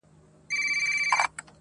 • د صبر کاسه درنه ده -